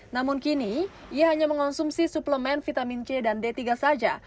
namun kini ia hanya mengonsumsi suplemen vitamin c dan d tiga saja